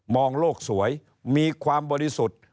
โลกสวยมีความบริสุทธิ์